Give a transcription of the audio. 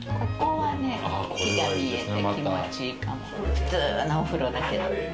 普通のお風呂だけど。